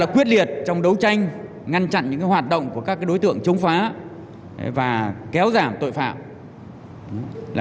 quyết liệt trong đấu tranh ngăn chặn những hoạt động của các đối tượng chống phá và kéo giảm tội phạm